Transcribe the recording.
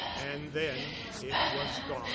And then it was gone.